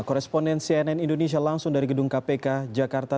koresponden cnn indonesia langsung dari gedung kpk jakarta